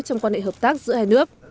trong quan hệ hợp tác giữa hai nước